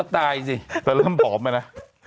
แต่เริ่มผอมมานะ